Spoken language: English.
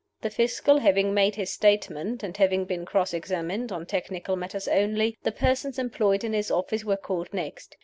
The Fiscal having made his statement, and having been cross examined (on technical matters only), the persons employed in his office were called next.